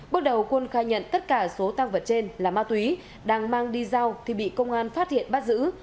bước đầu quân khai nhận tất cả số tăng vật trên là ma túy đang mang đi giao thì bị công an phát hiện bắt giữ